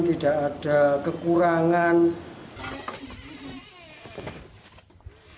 tidak ada kekurangan